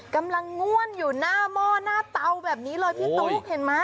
กำลังง่วนอยู่หน้าหม้อหน้าเตาแบบนี้เลยพี่ตุ๊กเห็นไหม